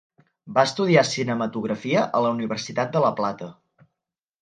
Va estudiar cinematografia a la Universitat de la Plata.